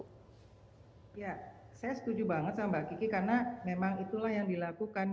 ya saya setuju banget sama mbak kiki karena memang itulah yang dilakukan